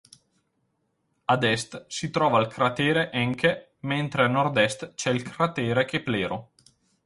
Ad est si trova il cratere Encke mentre a nordest c'è il cratere Keplero.